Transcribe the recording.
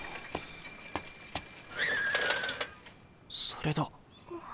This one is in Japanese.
それだ。